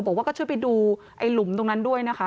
บอกว่าก็ช่วยไปดูไอ้หลุมตรงนั้นด้วยนะคะ